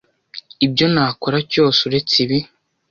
Ibyo nakora cyose uretse ibi.